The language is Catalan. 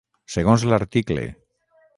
Segons l'article.